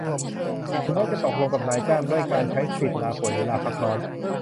ถึงแม้จะตกลงกับนายจ้างด้วยการใช้สิทธิ์ลาป่วยหรือลาพักร้อน